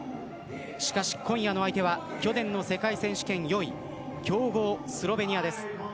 しかし、今夜の相手は去年の世界選手権４位強豪、スロベニアです。